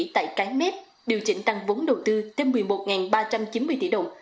tại cái mép điều chỉnh tăng vốn đầu tư thêm một mươi một ba trăm chín mươi tỷ đồng